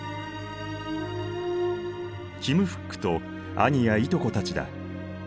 キム・フックと兄やいとこたちだ。